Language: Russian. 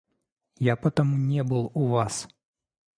Я потому не был у вас.